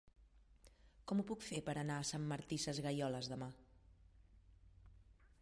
Com ho puc fer per anar a Sant Martí Sesgueioles demà?